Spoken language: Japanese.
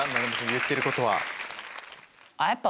言ってることは。